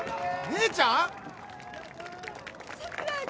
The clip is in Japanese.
姉ちゃん。